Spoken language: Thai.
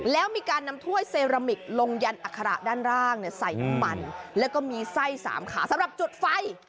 แล้วมีการนำถ้วยเซรามิกลงยันอัคระด้านล่างใส่น้ำมันแล้วก็มีไส้๓ขาสำหรับจุดไฟ